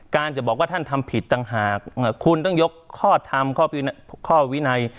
จะบอกว่าท่านทำผิดต่างหากคุณต้องยกข้อทำข้อวินัย